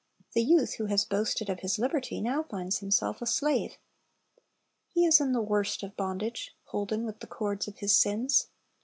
The youth who has boasted of his liberty, now finds himself a slave. He is in the worst of bondage, — "holden with the cords of his sins.'"